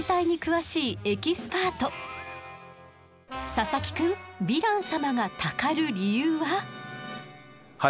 佐々木くんヴィラン様がたかる理由は？